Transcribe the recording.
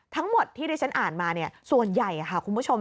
ทั้งหมดที่ที่ฉันอ่านมาส่วนใหญ่ค่ะคุณผู้ชม